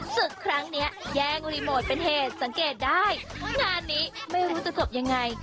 ศึกครั้งเนี้ยแย่งรีโมทเป็นเหตุสังเกตได้งานนี้ไม่รู้จะจบยังไง